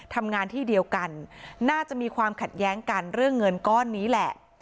ทำงานที่เดียวกันน่าจะมีความขัดแย้งกันเรื่องเงินก้อนนี้แหละ